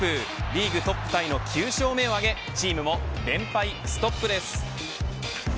リーグトップタイの９勝目を挙げチームも連敗ストップです。